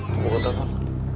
gue bakal telfon